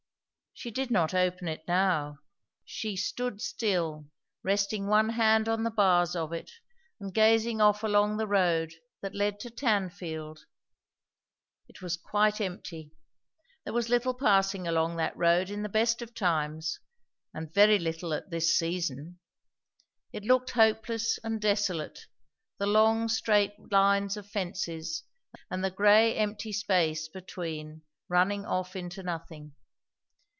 She did not open it now; she stood still, resting one hand on the bars of it and gazing off along the road that led to Tanfield. It was quite empty; there was little passing along that road in the best of times, and very little at this season. It looked hopeless and desolate, the long straight lines of fences, and the gray, empty space between running off into nothing.